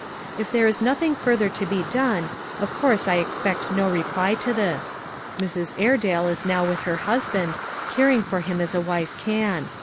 If there is nothing further to be done, of course I expect no reply to this. Mrs. Airedale is now with her husband, caring for him as a wife can.